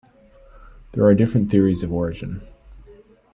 There are different theories of origin.